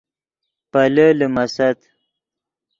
پیلے لیمیست